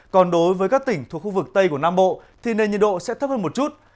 còn đối với các tỉnh thuộc khu vực tây của nam bộ thì nền nhiệt độ sẽ thấp hơn một chút